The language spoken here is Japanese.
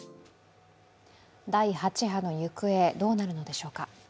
第８波の行方、どうなるのでしょうか。